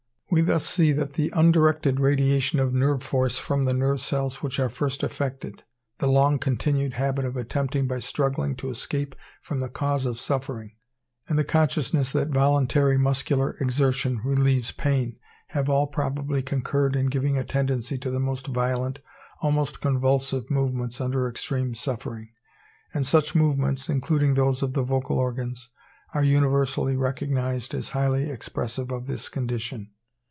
We thus see that the undirected radiation of nerve force from the nerve cells which are first affected—the long continued habit of attempting by struggling to escape from the cause of suffering—and the consciousness that voluntary muscular exertion relieves pain, have all probably concurred in giving a tendency to the most violent, almost convulsive, movements under extreme suffering; and such movements, including those of the vocal organs, are universally recognized as highly expressive of this condition.